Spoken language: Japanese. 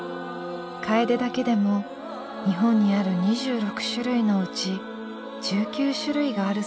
カエデだけでも日本にある２６種類のうち１９種類があるそうだ。